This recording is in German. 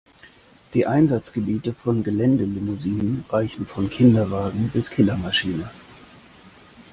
Die Einsatzgebiete von Geländelimousinen reichen von Kinderwagen bis Killermaschine.